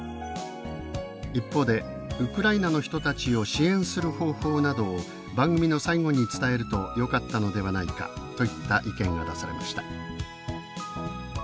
一方で「ウクライナの人たちを支援する方法などを番組の最後に伝えるとよかったのではないか」といった意見が出されました。